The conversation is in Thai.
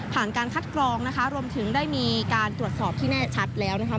การคัดกรองนะคะรวมถึงได้มีการตรวจสอบที่แน่ชัดแล้วนะคะ